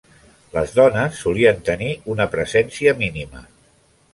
Les dones solien tenir una presència mínima.